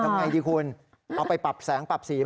ไงดีคุณเอาไปปรับแสงปรับสี